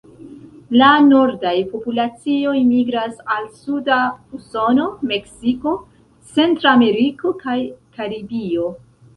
La nordaj populacioj migras al suda Usono, Meksiko, Centrameriko kaj Karibio.